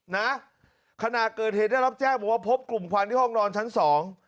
นะขณะเกิดเหตุได้รับแจ้งบอกว่าพบกลุ่มควันที่ห้องนอนชั้นสอง